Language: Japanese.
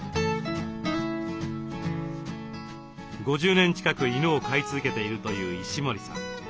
５０年近く犬を飼い続けているという石森さん。